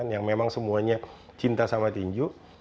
yang memang semuanya cinta sama tinju